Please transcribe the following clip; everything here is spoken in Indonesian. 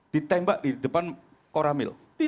ditembak di depan koramil